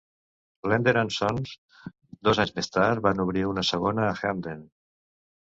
Lender and Sons, dos anys més tard, van obrir una segona a Hamden.